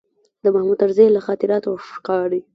د محمود طرزي له خاطراتو ښکاري.